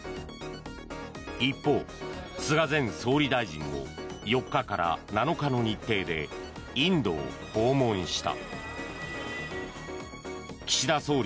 一方、菅前総理大臣も４日から７日の日程でインドを訪問した。